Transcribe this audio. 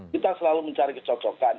kita selalu mencari kecocokan